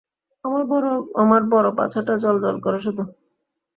আমার বড় পাছাটা জ্বলজ্বল করে শুধু!